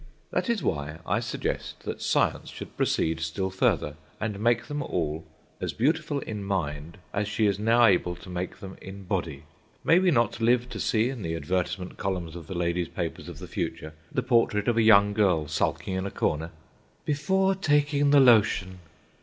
That is why I suggest that Science should proceed still further, and make them all as beautiful in mind as she is now able to make them in body. May we not live to see in the advertisement columns of the ladies' paper of the future the portrait of a young girl sulking in a corner—"Before taking the lotion!"